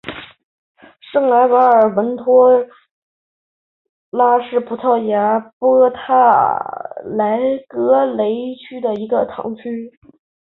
圣维森特和文托萨是葡萄牙波塔莱格雷区的一个堂区。